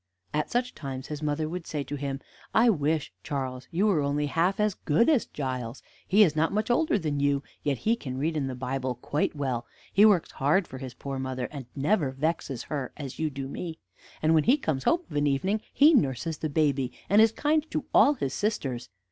At such times his mother would say to him: "I wish, Charles, you were only half as good as Giles; he is not much older than you, yet he can read in the Bible quite well; he works hard for his poor mother, and never vexes her, as you do me; and when he comes home of an evening, he nurses the baby, and is kind to all his sisters.